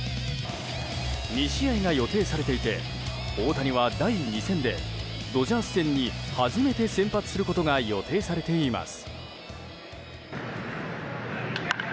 ２試合が予定されていて大谷は第２戦でドジャース戦に初めて先発することが予定されています。